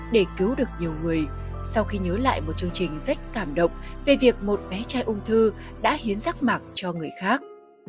để cứu được nhiều người sau khi nhớ lại một chương trình rất cảm động về việc một bé trai ung thư đã hiến rác mạc cho người khác